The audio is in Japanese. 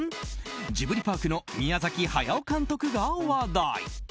ジブリパークの宮崎駿監督が話題。